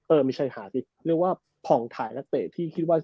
เออไม่ใช่หาสิเรียกว่าผ่องถ่ายนักเตะที่คิดว่า